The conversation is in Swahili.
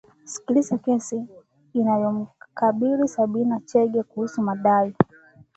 kusikiza kesi inayomkabili Sabina Chege kuhusu madai